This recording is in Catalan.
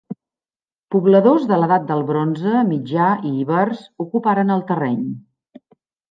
Pobladors de l'edat del bronze mitjà i ibers ocuparen el terreny.